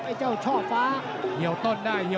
ตามต่อยกที่สองครับ